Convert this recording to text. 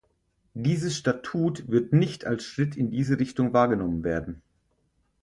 Dieses Statut wird nicht als Schritt in diese Richtung wahrgenommen werden.